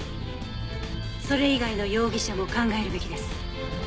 それ以外の容疑者も考えるべきです。